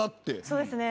そうですね。